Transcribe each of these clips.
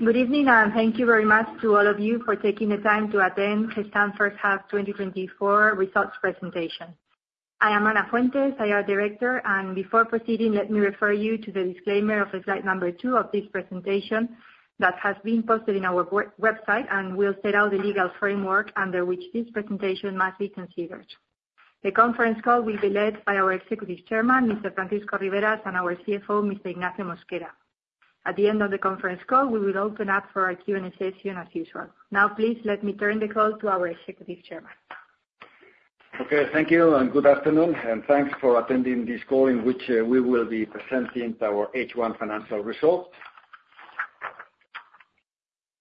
Good evening, and thank you very much to all of you for taking the time to attend Gestamp's first half 2024 results presentation. I am Ana Fuentes, IR Director, and before proceeding, let me refer you to the disclaimer of the slide number 2 of this presentation, that has been posted in our website, and will set out the legal framework under which this presentation must be considered. The conference call will be led by our Executive Chairman, Mr. Francisco Riberas, and our CFO, Mr. Ignacio Mosquera. At the end of the conference call, we will open up for our Q&A session, as usual. Now, please let me turn the call to our Executive Chairman. Okay. Thank you, and good afternoon, and thanks for attending this call, in which, we will be presenting our H1 financial results.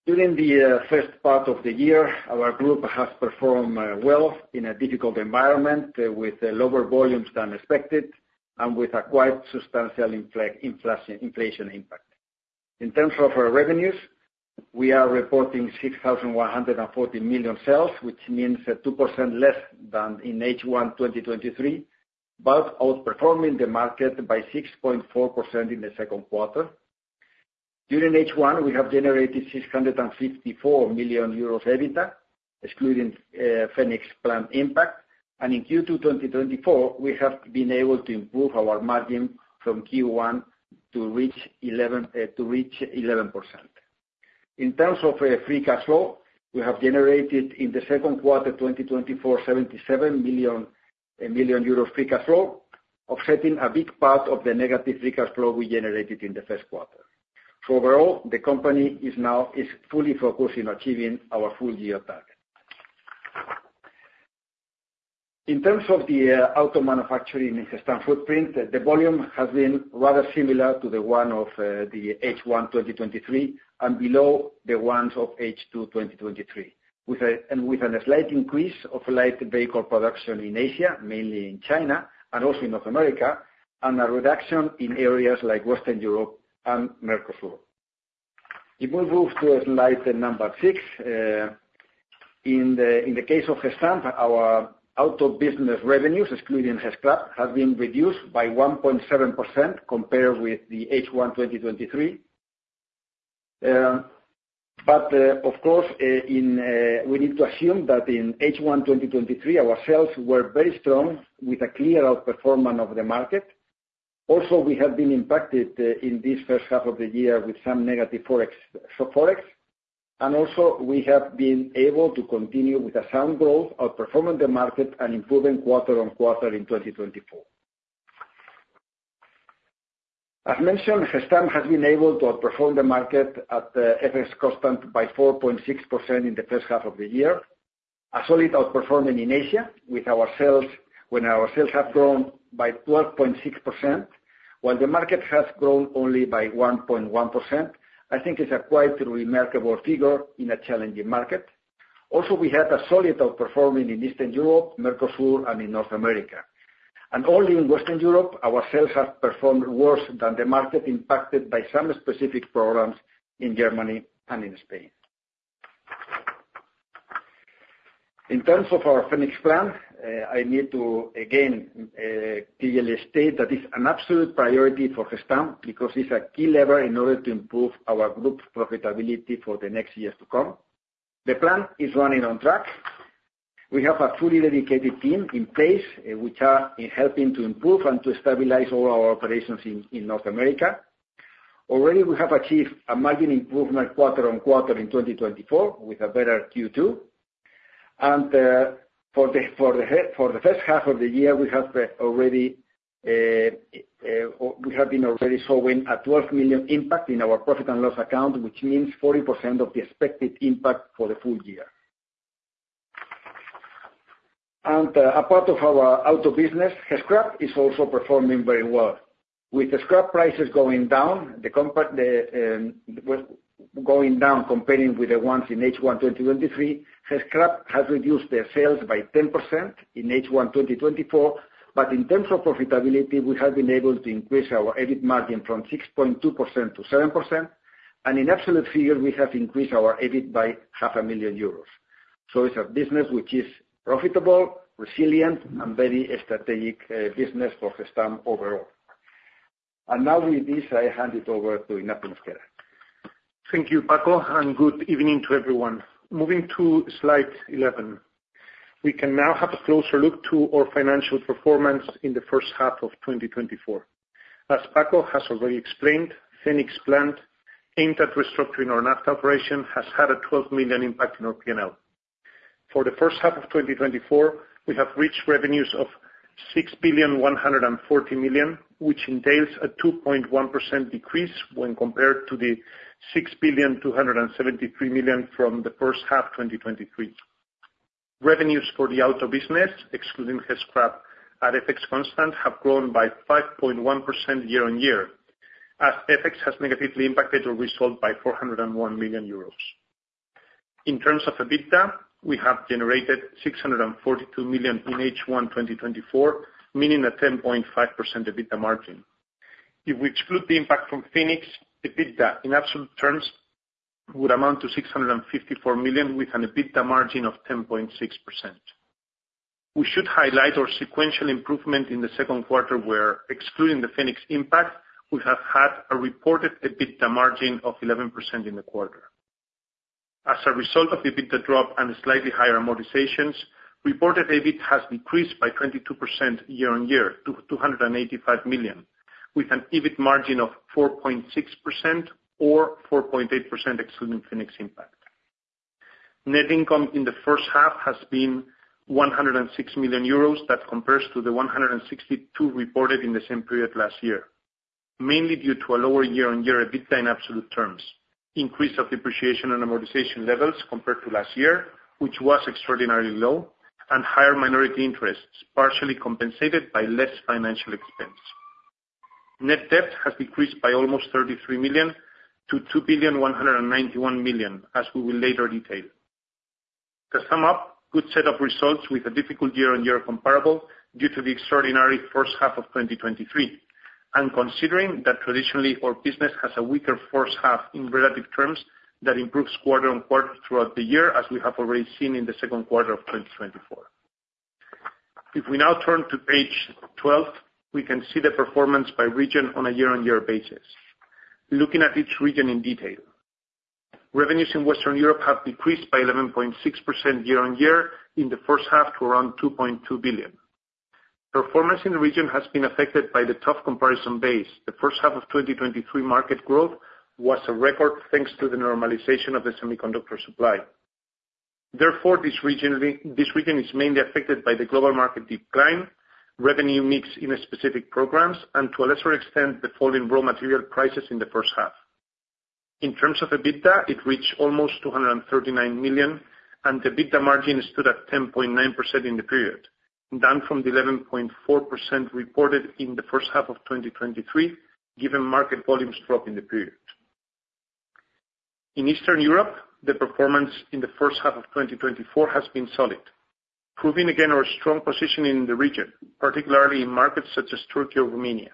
During the first part of the year, our group has performed well in a difficult environment, with lower volumes than expected, and with a quite substantial inflation impact. In terms of our revenues, we are reporting 6,140 million sales, which means 2% less than in H1 2023, but outperforming the market by 6.4% in the second quarter. During H1, we have generated 654 million euros EBITDA, excluding Phoenix Plan impact, and in Q2 2024, we have been able to improve our margin from Q1 to reach 11%. In terms of free cash flow, we have generated, in the second quarter 2024, 77 million euros free cash flow, offsetting a big part of the negative free cash flow we generated in the first quarter. So overall, the company is now fully focused in achieving our full-year target. In terms of the auto manufacturing in Gestamp footprint, the volume has been rather similar to the one of the H1 2023, and below the ones of H2 2023, and with a slight increase of light vehicle production in Asia, mainly in China and also in North America, and a reduction in areas like Western Europe and Mercosur. If we move to slide number 6, in the case of Gestamp, our auto business revenues, excluding Gescrap, have been reduced by 1.7% compared with the H1 2023. But, of course, we need to assume that in H1 2023, our sales were very strong, with a clear outperformance of the market. Also, we have been impacted in this first half of the year with some negative FX, so FX, and also we have been able to continue with a sound growth, outperforming the market and improving quarter-on-quarter in 2024. As mentioned, Gestamp has been able to outperform the market at FX constant by 4.6% in the first half of the year. A solid outperforming in Asia, with our sales, when our sales have grown by 12.6%, while the market has grown only by 1.1%. I think it's a quite remarkable figure in a challenging market. Also, we had a solid outperforming in Eastern Europe, Mercosur, and in North America. Only in Western Europe, our sales have performed worse than the market, impacted by some specific programs in Germany and in Spain. In terms of our Phoenix Plan, I need to again, clearly state that it's an absolute priority for Gestamp, because it's a key lever in order to improve our group's profitability for the next years to come. The plan is running on track. We have a fully dedicated team in place, which are helping to improve and to stabilize all our operations in North America. Already we have achieved a margin improvement quarter-on-quarter in 2024, with a better Q2. For the first half of the year, we have already been showing a 12 million impact in our profit and loss account, which means 40% of the expected impact for the full year. A part of our auto business, Gescrap, is also performing very well. With the scrap prices going down comparing with the ones in H1 2023, Gescrap has reduced their sales by 10% in H1 2024. But in terms of profitability, we have been able to increase our EBIT margin from 6.2%-7%, and in absolute figure, we have increased our EBIT by 500,000 euros. It's a business which is profitable, resilient, and very strategic, business for Gestamp overall. Now with this, I hand it over to Ignacio Mosquera. Thank you, Paco, and good evening to everyone. Moving to slide 11, we can now have a closer look to our financial performance in the first half of 2024. As Paco has already explained, Phoenix Plan, aimed at restructuring our North operation, has had a 12 million impact in our P&L. For the first half of 2024, we have reached revenues of 6.14 billion, which entails a 2.1% decrease when compared to the 6.273 billion from the first half of 2023. Revenues for the auto business, excluding Gescrap, at FX constant, have grown by 5.1% year-on-year, as FX has negatively impacted our result by 401 million euros. In terms of EBITDA, we have generated 642 million in H1 2024, meaning a 10.5% EBITDA margin. If we exclude the impact from Phoenix, EBITDA, in absolute terms, would amount to 654 million, with an EBITDA margin of 10.6%. We should highlight our sequential improvement in the second quarter, where excluding the Phoenix impact, we have had a reported EBITDA margin of 11% in the quarter. As a result of the EBITDA drop and slightly higher amortizations, reported EBIT has decreased by 22% year-on-year to 285 million, with an EBIT margin of 4.6% or 4.8%, excluding Phoenix impact. Net income in the first half has been 106 million euros. That compares to the 162 reported in the same period last year, mainly due to a lower year-on-year EBITDA in absolute terms, increase of depreciation and amortization levels compared to last year, which was extraordinarily low, and higher minority interests, partially compensated by less financial expense. Net debt has decreased by almost 33 million to 2,191,000,000 as we will later detail. To sum up, good set of results with a difficult year-on-year comparable due to the extraordinary first half of 2023, and considering that traditionally, our business has a weaker first half in relative terms, that improves quarter-on-quarter throughout the year, as we have already seen in the second quarter of 2024. If we now turn to page 12, we can see the performance by region on a year-on-year basis. Looking at each region in detail. Revenues in Western Europe have decreased by 11.6% year-over-year in the first half to around 2.2 billion. Performance in the region has been affected by the tough comparison base. The first half of 2023 market growth was a record, thanks to the normalization of the semiconductor supply. Therefore, regionally, this region is mainly affected by the global market decline, revenue mix in specific programs, and to a lesser extent, the fall in raw material prices in the first half. In terms of EBITDA, it reached almost 239 million, and the EBITDA margin stood at 10.9% in the period, down from the 11.4% reported in the first half of 2023, given market volumes drop in the period. In Eastern Europe, the performance in the first half of 2024 has been solid, proving again our strong positioning in the region, particularly in markets such as Turkey or Romania.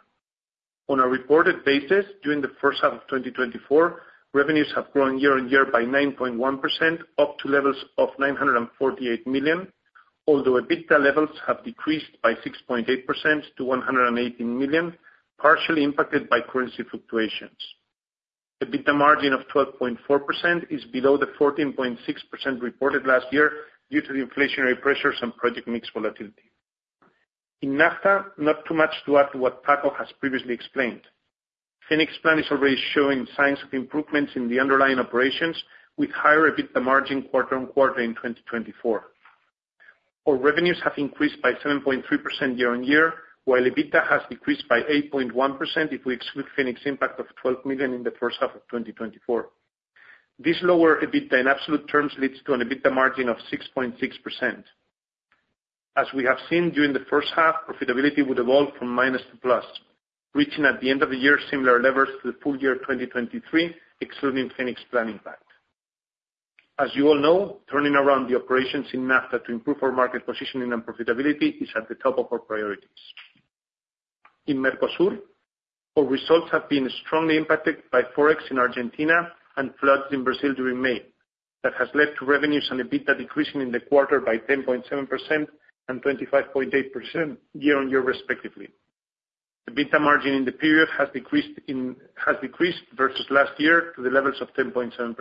On a reported basis, during the first half of 2024, revenues have grown year-on-year by 9.1%, up to levels of 948 million, although EBITDA levels have decreased by 6.8% to 118 million, partially impacted by currency fluctuations. EBITDA margin of 12.4% is below the 14.6% reported last year, due to the inflationary pressures and project mix volatility. In NAFTA, not too much to add to what Paco has previously explained. Phoenix Plan is already showing signs of improvements in the underlying operations, with higher EBITDA margin quarter-on-quarter in 2024. Our revenues have increased by 7.3% year-on-year, while EBITDA has decreased by 8.1% if we exclude Phoenix impact of 12 million in the first half of 2024. This lower EBITDA in absolute terms leads to an EBITDA margin of 6.6%. As we have seen during the first half, profitability would evolve from minus to plus, reaching, at the end of the year, similar levels to the full year 2023, excluding Phoenix Plan impact. As you all know, turning around the operations in NAFTA to improve our market positioning and profitability is at the top of our priorities. In Mercosur, our results have been strongly impacted by Forex in Argentina and floods in Brazil during May. That has led to revenues and EBITDA decreasing in the quarter by 10.7% and 25.8% year-on-year, respectively. EBITDA margin in the period has decreased versus last year to the levels of 10.7%.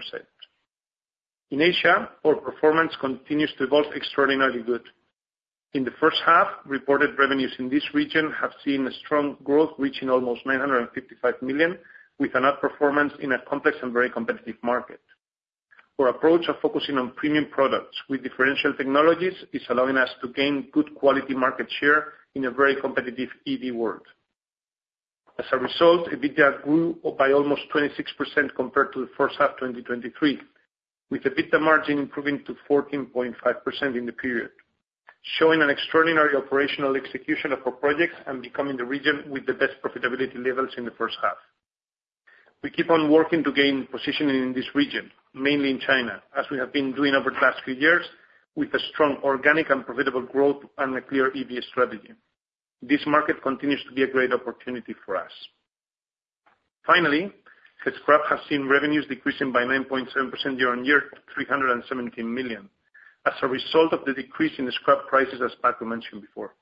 In Asia, our performance continues to evolve extraordinarily good. In the first half, reported revenues in this region have seen a strong growth, reaching almost 955 million, with an outperformance in a complex and very competitive market. Our approach of focusing on premium products with differential technologies is allowing us to gain good quality market share in a very competitive EV world. As a result, EBITDA grew by almost 26% compared to the first half 2023, with EBITDA margin improving to 14.5% in the period, showing an extraordinary operational execution of our projects and becoming the region with the best profitability levels in the first half. We keep on working to gain positioning in this region, mainly in China, as we have been doing over the last few years, with a strong organic and profitable growth and a clear EV strategy. This market continues to be a great opportunity for us. Finally, the scrap has seen revenues decreasing by 9.7% year-on-year to 317 million as a result of the decrease in the scrap prices, as Paco mentioned before.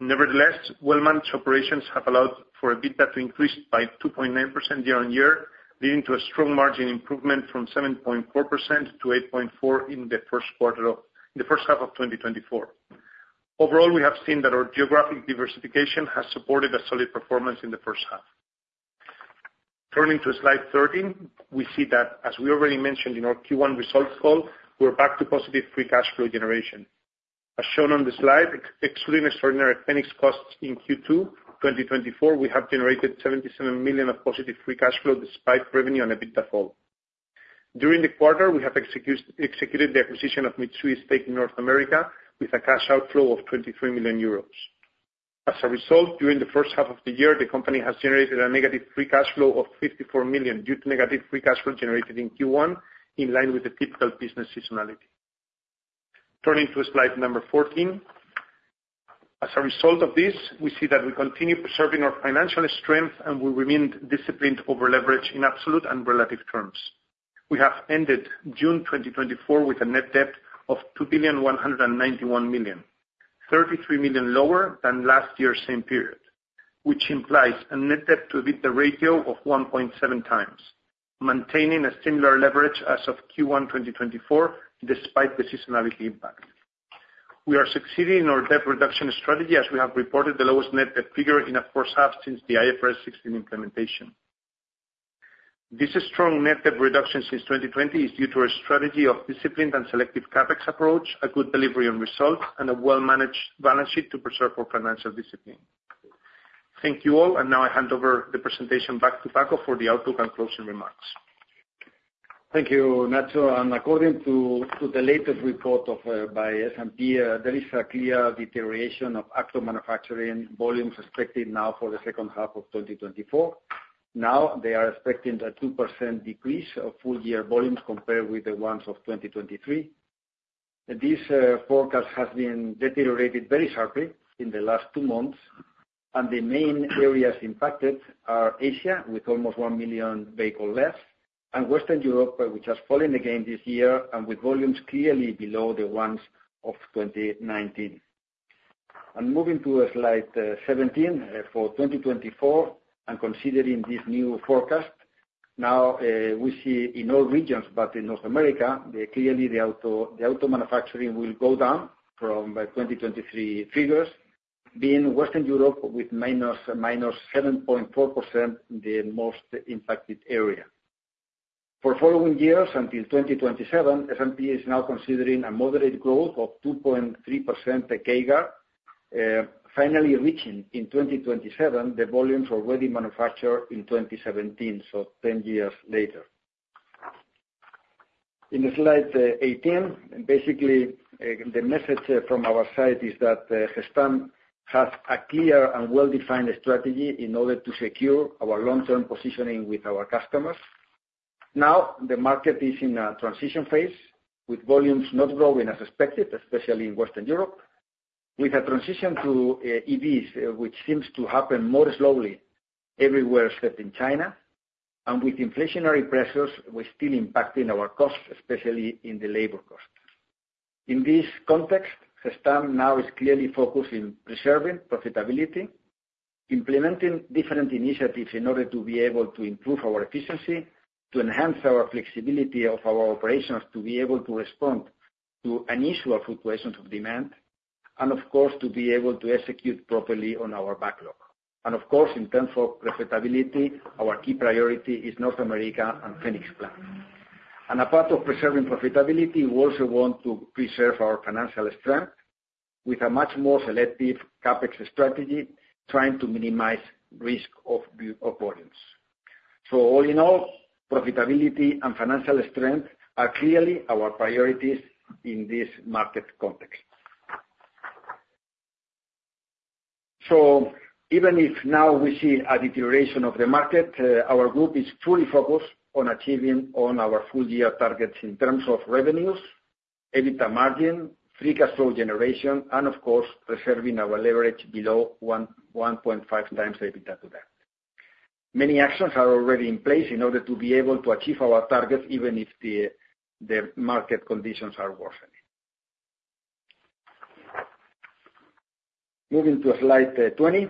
Nevertheless, well-managed operations have allowed for EBITDA to increase by 2.9% year-on-year, leading to a strong margin improvement from 7.4% to 8.4% in the first half of 2024. Overall, we have seen that our geographic diversification has supported a solid performance in the first half. Turning to slide 13, we see that as we already mentioned in our Q1 results call, we're back to positive free cash flow generation. As shown on the slide, excluding extraordinary Phoenix costs in Q2 2024, we have generated 77 million of positive free cash flow, despite revenue and EBITDA fall. During the quarter, we have executed the acquisition of Mitsui's stake in North America with a cash outflow of 23 million euros. As a result, during the first half of the year, the company has generated a negative free cash flow of 54 million due to negative free cash flow generated in Q1, in line with the typical business seasonality. Turning to slide number 14. As a result of this, we see that we continue preserving our financial strength, and we remain disciplined over leverage in absolute and relative terms. We have ended June 2024 with a net debt of 2,191 million, 33 million lower than last year's same period, which implies a net debt to EBITDA ratio of 1.7x, maintaining a similar leverage as of Q1 2024, despite the seasonality impact. We are succeeding in our debt reduction strategy, as we have reported the lowest net debt figure in a first half since the IFRS 16 implementation. This strong net debt reduction since 2020 is due to our strategy of disciplined and selective CapEx approach, a good delivery on results, and a well-managed balance sheet to preserve our financial discipline. Thank you all, and now I hand over the presentation back to Paco for the outlook and closing remarks. Thank you, Nacho. According to the latest report by S&P, there is a clear deterioration of auto manufacturing volumes expected now for the second half of 2024. They are expecting a 2% decrease of full year volumes compared with the ones of 2023. This forecast has been deteriorated very sharply in the last two months, and the main areas impacted are Asia, with almost 1 million vehicle less, and Western Europe, which has fallen again this year and with volumes clearly below the ones of 2019. Moving to slide 17 for 2024 and considering this new forecast, now we see in all regions, but in North America, clearly the auto manufacturing will go down from the 2023 figures, being Western Europe with -7.4%, the most impacted area. For following years until 2027, S&P is now considering a moderate growth of 2.3%, the CAGR, finally reaching in 2027 the volumes already manufactured in 2017, so 10 years later. In slide 18, basically the message from our side is that Gestamp has a clear and well-defined strategy in order to secure our long-term positioning with our customers. Now, the market is in a transition phase, with volumes not growing as expected, especially in Western Europe. With a transition to EVs, which seems to happen more slowly everywhere, except in China, and with inflationary pressures, we're still impacting our costs, especially in the labor costs. In this context, Gestamp now is clearly focused in preserving profitability, implementing different initiatives in order to be able to improve our efficiency, to enhance our flexibility of our operations, to be able to respond to initial fluctuations of demand, and of course, to be able to execute properly on our backlog. Of course, in terms of profitability, our key priority is North America and Phoenix Plan. A part of preserving profitability, we also want to preserve our financial strength with a much more selective CapEx strategy, trying to minimize risk of volumes. All in all, profitability and financial strength are clearly our priorities in this market context. So even if now we see a deterioration of the market, our group is fully focused on achieving our full year targets in terms of revenues, EBITDA margin, free cash flow generation, and of course, preserving our leverage below 1.5x EBITDA to debt. Many actions are already in place in order to be able to achieve our targets, even if the market conditions are worsening. Moving to slide 20.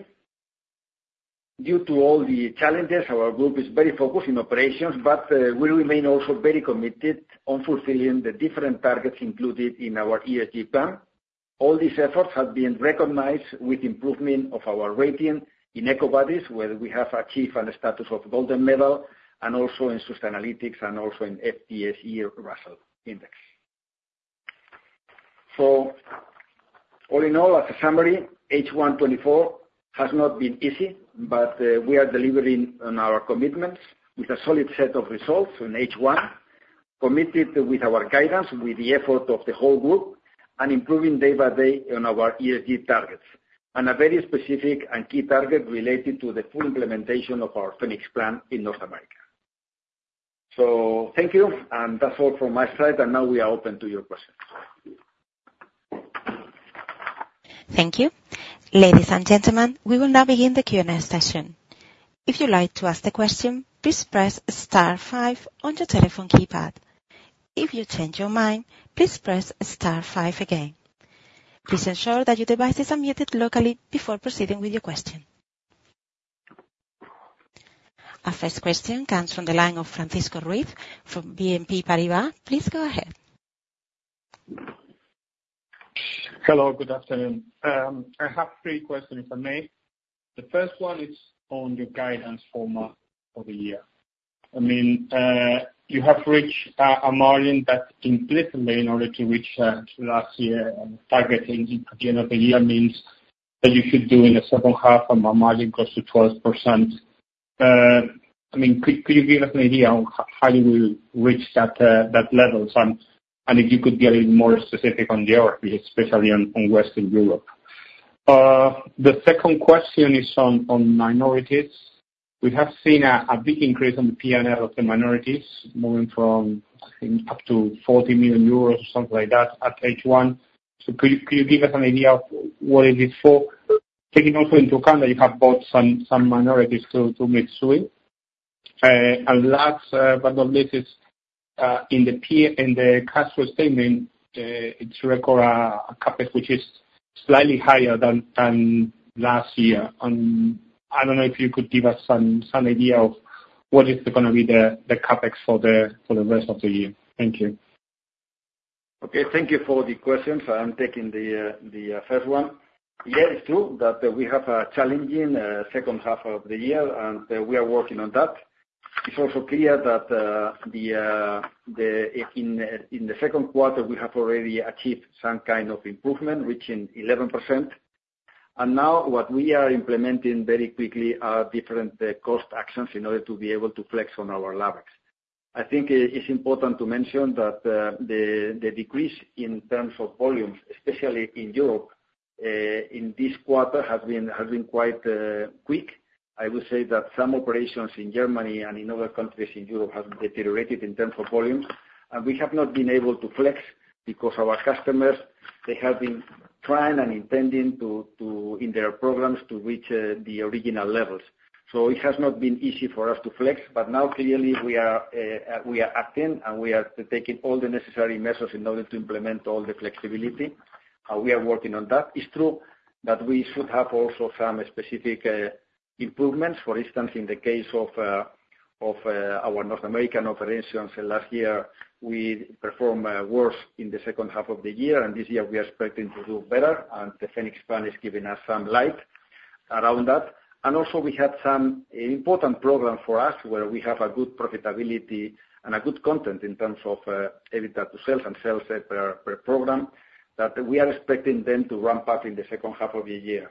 Due to all the challenges, our group is very focused in operations, but we remain also very committed on fulfilling the different targets included in our ESG plan. All these efforts have been recognized with improvement of our rating in EcoVadis, where we have achieved a status of gold medal, and also in Sustainalytics, and also in FTSE Russell Index. So all in all, as a summary, H1 2024 has not been easy, but we are delivering on our commitments with a solid set of results in H1, committed with our guidance, with the effort of the whole group, and improving day by day on our ESG targets, and a very specific and key target related to the full implementation of our Phoenix Plan in North America. So thank you, and that's all from my side, and now we are open to your questions. Thank you. Ladies and gentlemen, we will now begin the Q&A session. If you'd like to ask the question, please press star five on your telephone keypad. If you change your mind, please press star five again. Please ensure that your device is unmuted locally before proceeding with your question. Our first question comes from the line of Francisco Ruiz from BNP Paribas. Please go ahead. Hello, good afternoon. I have three questions, if I may. The first one is on your guidance for for the year. I mean, you have reached a margin that, implicitly, in order to reach to last year, targeting at the end of the year means that you should do in the second half a margin close to 12%. I mean, could, could you give us an idea on how you will reach that that level? If you could be a little more specific on geography, especially on Western Europe. The second question is on on minorities. We have seen a a big increase on the P&L of the minorities, moving from, I think, up to 40 million euros or something like that at H1. Could you give us an idea of what is it for? Taking also into account that you have bought some minorities to Mitsui. And last, but not least, in the P&L in the cash flow statement, it records a CapEx, which is slightly higher than last year. I don't know if you could give us some idea of what is gonna be the CapEx for the rest of the year. Thank you. Okay, thank you for the questions. I'm taking the first one. Yeah, it's true that we have a challenging second half of the year, and we are working on that. It's also clear that in the second quarter, we have already achieved some kind of improvement, reaching 11%. And now what we are implementing very quickly are different cost actions in order to be able to flex on our CapEx. I think it's important to mention that the decrease in terms of volumes, especially in Europe, in this quarter, has been quite quick. I would say that some operations in Germany and in other countries in Europe have deteriorated in terms of volumes, and we have not been able to flex because our customers, they have been trying and intending to in their programs to reach the original levels. So it has not been easy for us to flex, but now clearly we are acting, and we are taking all the necessary measures in order to implement all the flexibility, and we are working on that. It's true that we should have also some specific improvements. For instance, in the case of our North American operations, last year, we performed worse in the second half of the year, and this year we are expecting to do better, and the Phoenix Plan is giving us some light around that. And also we have some important program for us where we have a good profitability and a good content in terms of EBITDA to sales and sales per program, that we are expecting them to ramp up in the second half of the year.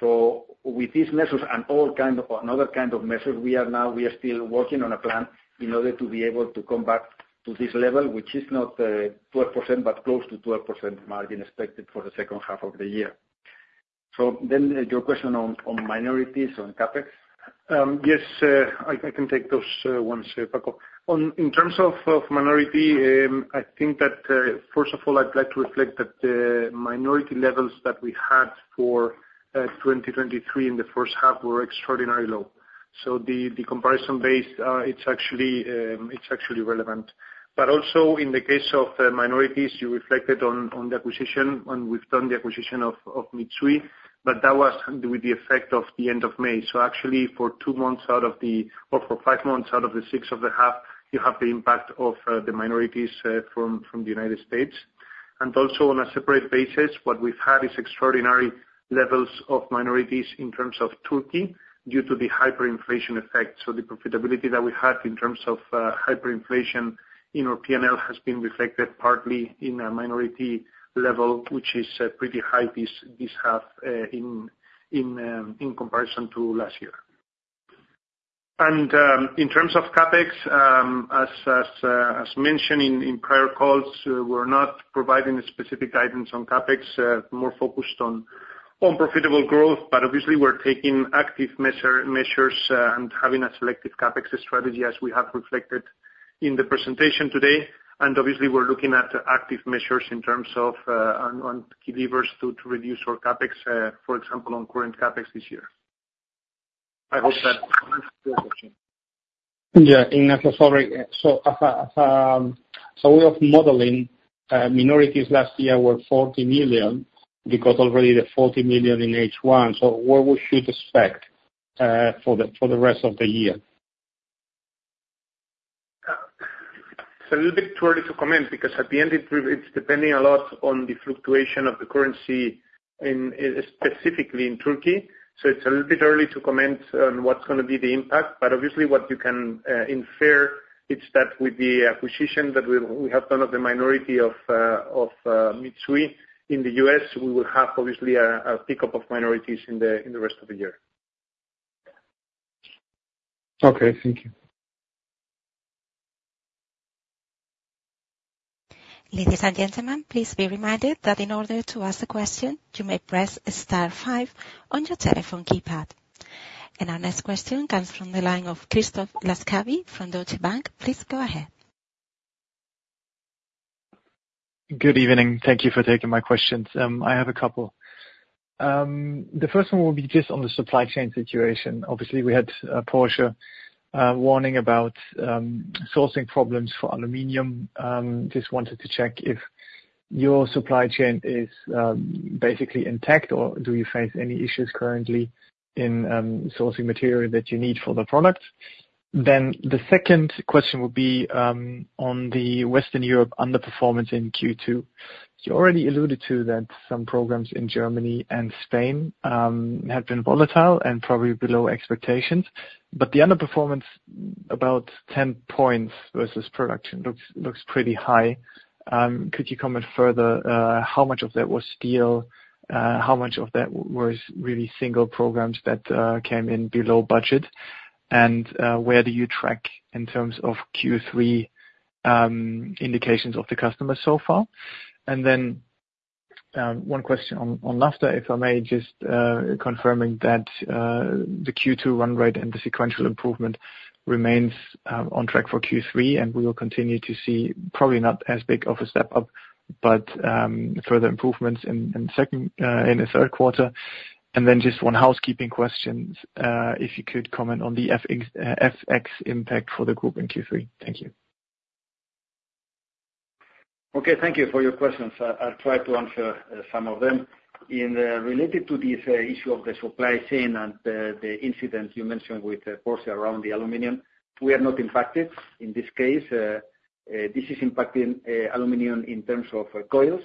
So with these measures and all kind of another kind of measures, we are now we are still working on a plan in order to be able to come back to this level, which is not 12%, but close to 12% margin expected for the second half of the year. So then your question on minorities, on CapEx. Yes, I can take those ones, Paco. On in terms of minority, I think that first of all, I'd like to reflect that the minority levels that we had for 2023 in the first half were extraordinarily low. So the comparison base, it's actually relevant. But also in the case of minorities, you reflected on the acquisition, and we've done the acquisition of Mitsui, but that was with the effect of the end of May. So actually, for two months out of the or for five months out of the six of the half, you have the impact of the minorities from the United States. And also on a separate basis, what we've had is extraordinary levels of minorities in terms of Turkey, due to the hyperinflation effect. So the profitability that we had in terms of hyperinflation in our PNL has been reflected partly in a minority level, which is pretty high this half in comparison to last year. In terms of CapEx, as mentioned in prior calls, we're not providing a specific guidance on CapEx, more focused on profitable growth. But obviously, we're taking active measures and having a selective CapEx strategy, as we have reflected in the presentation today. And obviously, we're looking at active measures in terms of on key levers to reduce our CapEx, for example, on current CapEx this year. I hope that answers your question. Yeah, Ignacio, sorry. So as a way of modeling, minorities last year were 40 million, because already the 40 million in H1, so what we should expect for the rest of the year? It's a little bit too early to comment, because at the end, it's depending a lot on the fluctuation of the currency in, specifically, in Turkey. So it's a little bit early to comment on what's gonna be the impact, but obviously what you can infer is that with the acquisition that we have done of the minority of Mitsui in the US, we will have obviously a pickup of minorities in the rest of the year. Okay. Thank you. Ladies and gentlemen, please be reminded that in order to ask a question, you may press star five on your telephone keypad. Our next question comes from the line of Christoph Laskawi from Deutsche Bank. Please go ahead. Good evening. Thank you for taking my questions. I have a couple. The first one will be just on the supply chain situation. Obviously, we had Porsche warning about sourcing problems for aluminum. Just wanted to check if your supply chain is basically intact, or do you face any issues currently in sourcing material that you need for the products? Then the second question would be on the Western Europe underperformance in Q2. You already alluded to that some programs in Germany and Spain have been volatile and probably below expectations, but the underperformance about 10 points versus production looks pretty high. Could you comment further, how much of that was steel? How much of that was really single programs that came in below budget? Where do you track in terms of Q3 indications of the customer so far? And then one question on NAFTA, if I may, just confirming that the Q2 run rate and the sequential improvement remains on track for Q3, and we will continue to see probably not as big of a step up, but further improvements in, in second, in the third quarter. And then just one housekeeping question, if you could comment on the FX, FX impact for the group in Q3. Thank you. Okay, thank you for your questions. I'll try to answer some of them. In related to this issue of the supply chain and the incident you mentioned with Porsche around the aluminum, we are not impacted in this case. This is impacting aluminum in terms of coils,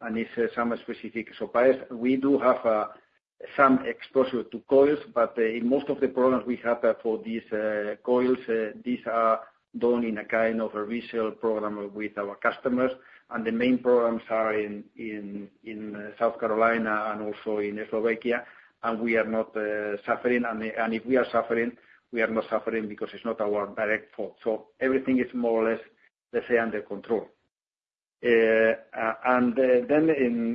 and it's some specific suppliers. We do have some exposure to coils, but in most of the programs we have for these coils these are done in a kind of a resale program with our customers. And the main programs are in South Carolina and also in Slovakia, and we are not suffering. And if we are suffering, we are not suffering because it's not our direct fault. So everything is more or less, let's say, under control. And then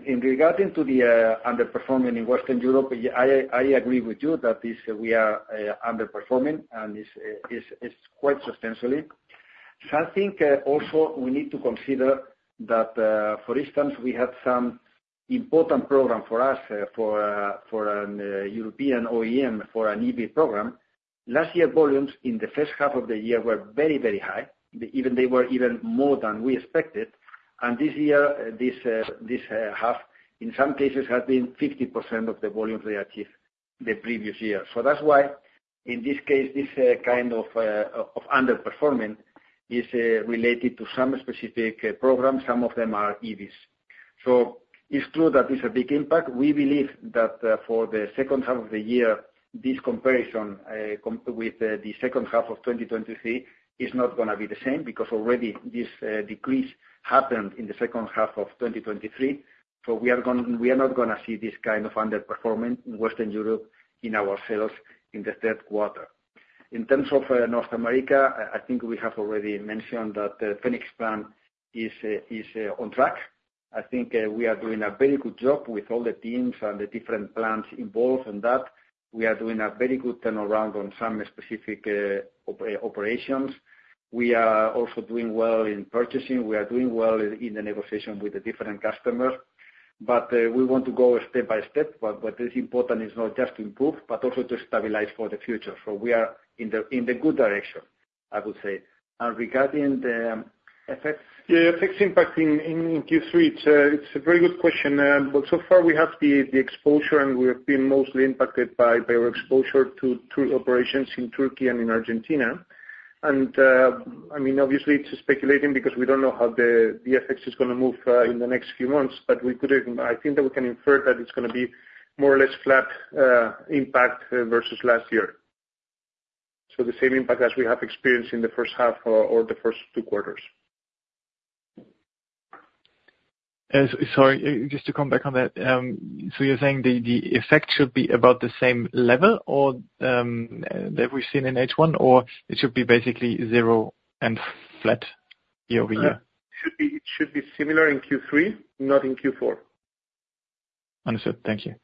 in regard to the underperforming in Western Europe, I agree with you that this, we are underperforming, and this is quite substantially. So I think also we need to consider that for instance, we had some important program for us for an European OEM, for an EV program. Last year, volumes in the first half of the year were very, very high. Even they were even more than we expected. And this year, this half, in some cases, have been 50% of the volumes we achieved the previous year. So that's why, in this case, this kind of underperforming is related to some specific programs, some of them are EVs. So it's true that it's a big impact. We believe that, for the second half of the year, this comparison with the second half of 2023 is not gonna be the same, because already this decrease happened in the second half of 2023. So we are not gonna see this kind of underperformance in Western Europe in our sales in the third quarter. In terms of North America, I think we have already mentioned that the Phoenix Plan is on track. I think we are doing a very good job with all the teams and the different plans involved in that. We are doing a very good turnaround on some specific operations. We are also doing well in purchasing. We are doing well in the negotiation with the different customers, but we want to go step by step. But what is important is not just to improve, but also to stabilize for the future. So we are in the good direction, I would say. And regarding the FX- The FX impact in Q3, it's a very good question, but so far we have the exposure, and we have been mostly impacted by our exposure to operations in Turkey and in Argentina. And I mean, obviously, it's speculating, because we don't know how the FX is gonna move in the next few months, but we could I think that we can infer that it's gonna be more or less flat impact versus last year. So the same impact as we have experienced in the first half or the first two quarters. Sorry, just to come back on that. So you're saying the effect should be about the same level or that we've seen in H1, or it should be basically zero and flat year-over-year? It should be, it should be similar in Q3, not in Q4. Understood. Thank you.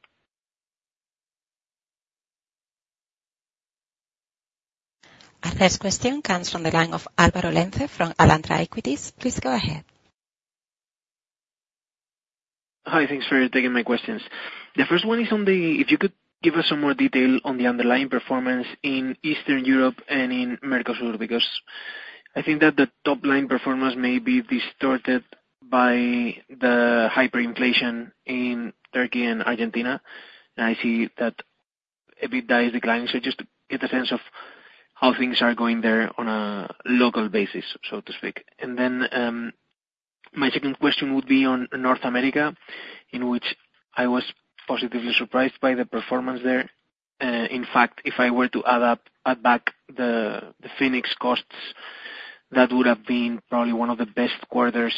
Our next question comes from the line of Álvaro Lenze, from Alantra Equities. Please go ahead. Hi, thanks for taking my questions. The first one is on the... If you could give us some more detail on the underlying performance in Eastern Europe and in Mercosur, because I think that the top-line performance may be distorted by the hyperinflation in Turkey and Argentina. I see that EBITDA is declining, so just to get a sense of how things are going there on a local basis, so to speak. And then, my second question would be on North America, in which I was positively surprised by the performance there. In fact, if I were to add up, add back the, the Phoenix costs, that would have been probably one of the best quarters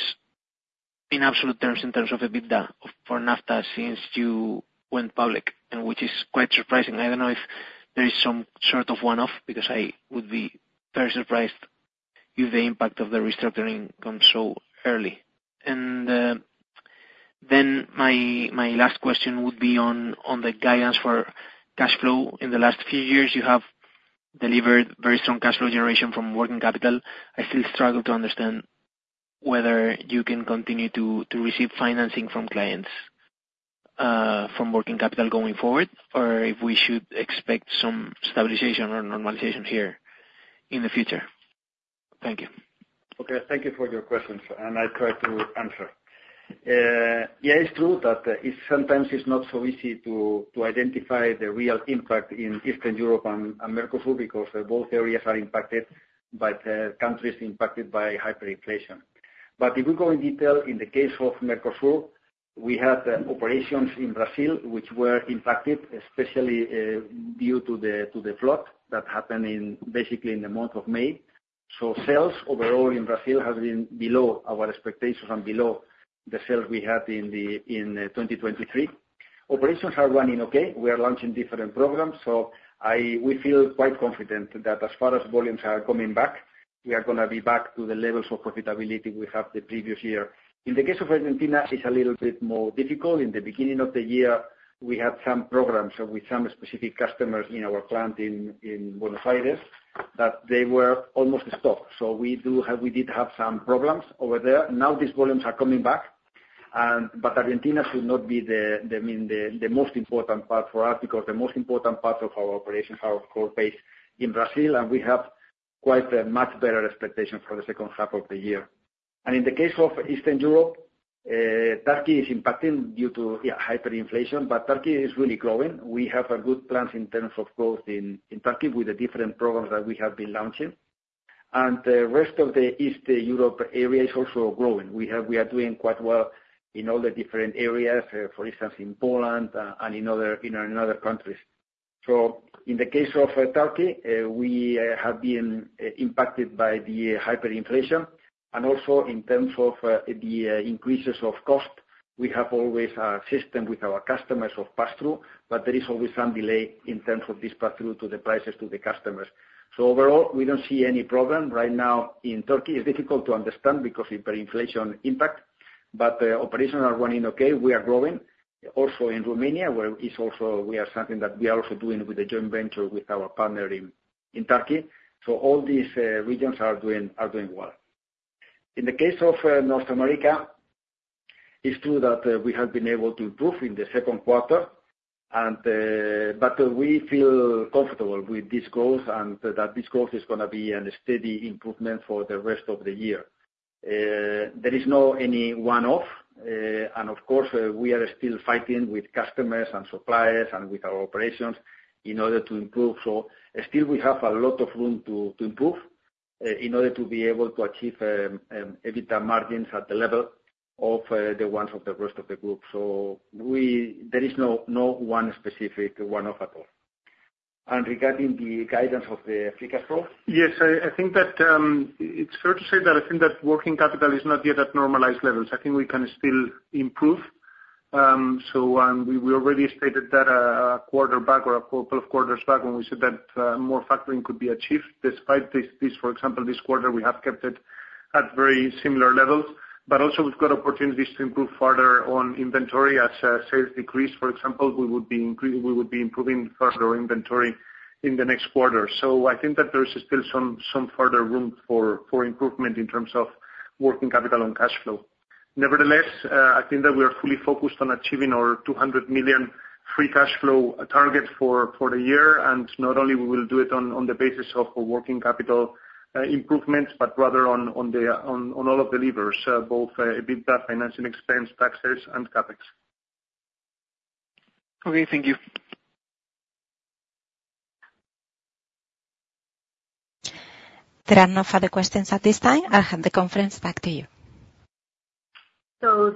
in absolute terms, in terms of EBITDA for Nafta since you went public, and which is quite surprising. I don't know if there is some sort of one-off, because I would be very surprised if the impact of the restructuring comes so early. And then my last question would be on the guidance for cash flow. In the last few years, you have delivered very strong cash flow generation from working capital. I still struggle to understand whether you can continue to receive financing from clients from working capital going forward, or if we should expect some stabilization or normalization here in the future. Thank you. Okay, thank you for your questions, and I'll try to answer. Yeah, it's true that it's sometimes not so easy to identify the real impact in Eastern Europe and Mercosur, because both areas are impacted by the countries impacted by hyperinflation. But if we go in detail, in the case of Mercosur, we had operations in Brazil which were impacted, especially due to the flood that happened basically in the month of May. So sales overall in Brazil have been below our expectations and below the sales we had in 2023. Operations are running okay. We are launching different programs, so we feel quite confident that as far as volumes are coming back, we are gonna be back to the levels of profitability we have the previous year. In the case of Argentina, it's a little bit more difficult. In the beginning of the year, we had some programs with some specific customers in our plant in Buenos Aires, that they were almost stopped. So we do have, we did have some problems over there. Now, these volumes are coming back, and but Argentina should not be the main, the most important part for us, because the most important part of our operations are our core base in Brazil, and we have quite a much better expectation for the second half of the year. And in the case of Eastern Europe, Turkey is impacting due to hyperinflation, but Turkey is really growing. We have a good plans in terms of growth in Turkey with the different programs that we have been launching. And the rest of the East Europe area is also growing. We are doing quite well in all the different areas, for instance, in Poland, and in other countries. So in the case of Turkey, we have been impacted by the hyperinflation, and also in terms of the increases of cost. We have always a system with our customers of pass-through, but there is always some delay in terms of this pass-through to the prices to the customers. So overall, we don't see any problem right now in Turkey. It's difficult to understand because of the inflation impact, but operations are running okay. We are growing also in Romania, where is also we have something that we are also doing with a joint venture with our partner in Turkey. So all these regions are doing well. In the case of North America, it's true that we have been able to improve in the second quarter, and but we feel comfortable with this growth, and that this growth is gonna be a steady improvement for the rest of the year. There is no any one-off, and of course we are still fighting with customers and suppliers and with our operations in order to improve. So still, we have a lot of room to improve, in order to be able to achieve EBITDA margins at the level of the ones of the rest of the group. So we—there is no, no one specific one-off at all. And regarding the guidance of the free cash flow? Yes, I think that it's fair to say that I think that working capital is not yet at normalized levels. I think we can still improve. So, we already stated that a quarter back or a couple of quarters back when we said that more factoring could be achieved despite this. For example, this quarter, we have kept it at very similar levels. But also we've got opportunities to improve further on inventory. As sales decrease, for example, we would be improving further inventory in the next quarter. So I think that there is still some further room for improvement in terms of working capital and cash flow. Nevertheless, I think that we are fully focused on achieving our 200 million free cash flow target for the year, and not only we will do it on all of the levers, both EBITDA, financing expense, taxes, and CapEx. Okay, thank you. There are no further questions at this time. I'll hand the conference back to you.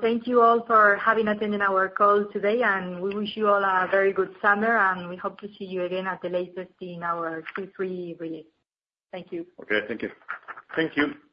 Thank you all for having attended our call today, and we wish you all a very good summer, and we hope to see you again at the latest in our Q3 release. Thank you. Okay, thank you. Thank you.